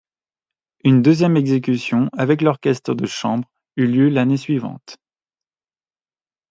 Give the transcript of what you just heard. Une deuxième exécution, avec orchestre de chambre, eut lieu l'année suivante.